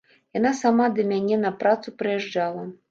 Яна сама да мяне на працу прыязджала.